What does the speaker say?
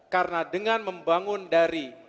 karena dengan membangun dari